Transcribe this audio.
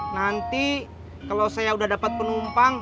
nanti kalo saya udah dapet penumpang